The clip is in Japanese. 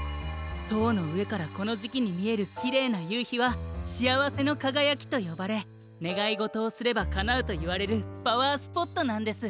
とうのうえからこのじきにみえるキレイなゆうひは「しあわせのかがやき」とよばれねがいごとをすればかなうといわれるパワースポットなんです。